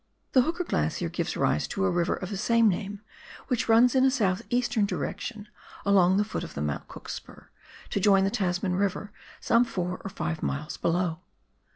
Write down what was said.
Tlie Hooker Glacier gives rise to a river of the same name which runs in a south eastern direction along the foot of the Mount Cook spur to join the Tasman Eiver some four or five miles below.